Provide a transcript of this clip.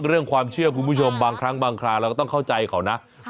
เรื่องความเชื่อคุณผู้ชมบางครั้งบางคราวเราก็ต้องเข้าใจเขานะ